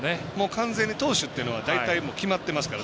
完全に投手っていうのは大体、決まってますから。